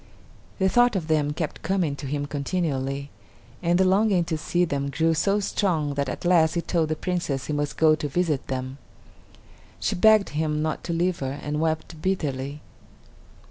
The thought of them kept coming to him continually, and the longing to see them grew so strong that at last he told the Princess he must go to visit them. She begged him not to leave her and wept bitterly.